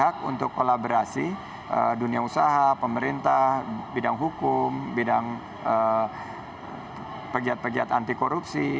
karena kita masih masih di kolaborasi dunia usaha pemerintah bidang hukum bidang pegiat pegiat anti korupsi